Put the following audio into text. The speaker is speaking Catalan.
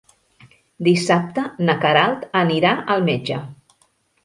Dissabte na Queralt anirà al metge.